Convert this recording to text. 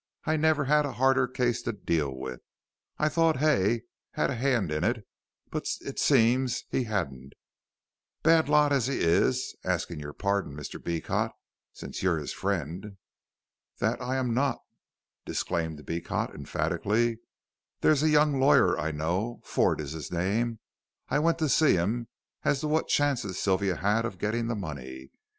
"I never had a harder case to deal with. I thought Hay had a hand in it, but it seems he hadn't, bad lot as he is, asking your pardon, Mr. Beecot, since you're his friend." "That I am not," disclaimed Beecot, emphatically; "there's a young lawyer I know, Ford is his name. I went to see him as to what chances Sylvia had of getting the money.